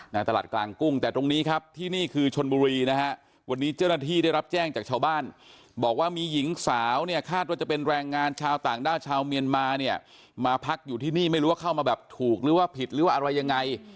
ตลาดกลางกุ้งแต่ตรงนี้ครับที่นี่คือชนบุรีนะฮะวันนี้เจ้าหน้าที่ได้รับแจ้งจากชาวบ้านบอกว่ามีหญิงสาวเนี่ยคาดว่าจะเป็นแรงงานชาวต่างด้าวชาวเมียนมาเนี่ยมาพักอยู่ที่นี่ไม่รู้ว่าเข้ามาแบบถูกหรือว่าผิดหรือว่าอะไรยังไง